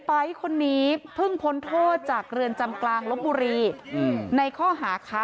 ไป๊คนนี้เพิ่งพ้นโทษจากเรือนจำกลางลบบุรีในข้อหาค้า